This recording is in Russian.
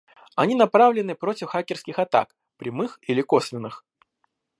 Они направлены против хакерских атак: прямых или косвенных